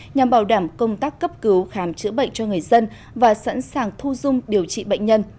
nhằm bảo đảm công tác cấp cứu khám chữa bệnh cho người dân và sẵn sàng thu dung điều trị bệnh nhân